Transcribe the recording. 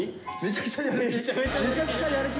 めちゃくちゃやる気。